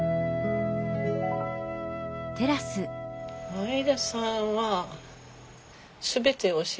前田さんは全て教えたやん。